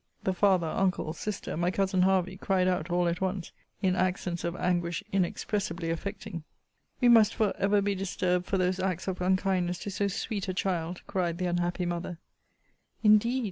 the father, uncles, sister, my cousin Hervey, cried out all at once, in accents of anguish inexpressibly affecting. We must for ever be disturbed for those acts of unkindness to so sweet a child, cried the unhappy mother! Indeed!